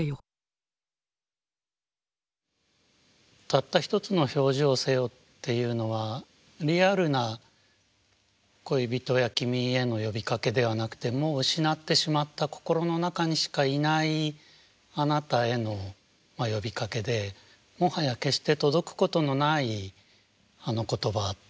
「たつた一つの表情をせよ」っていうのはリアルな恋人や君への呼びかけではなくてもう失ってしまった心の中にしかいないあなたへの呼びかけでもはや決して届くことのない言葉という感じがします。